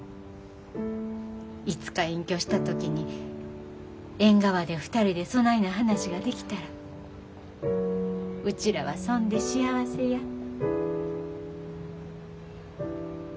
いつか隠居した時に縁側で２人でそないな話ができたらうちらはそんで幸せや。